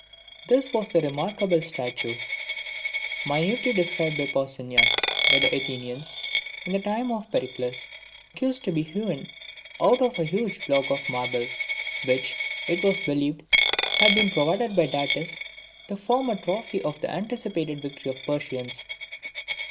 This was the remarkable statue (minutely described by Pausanias) which the Athenians, in the time of Pericles, caused to be hewn out of a huge block of marble, which, it was believed, had been provided by Datis to form a trophy of the anticipated victory of the Persians.